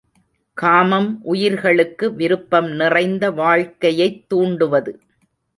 காமம் உயிர்களுக்கு விருப்பம் நிறைந்த வாழ்க்கையைத் தூண்டுவது.